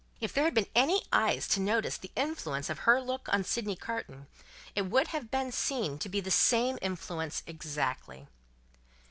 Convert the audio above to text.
If there had been any eyes to notice the influence of her look, on Sydney Carton, it would have been seen to be the same influence exactly.